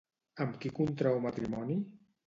Amb qui contrau matrimoni?